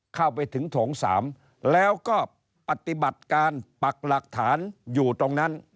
เข้าไปถึงโถง๓แล้วก็ปฏิบัติการปักหลักฐานอยู่ตรงนั้น